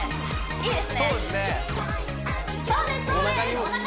いいですね！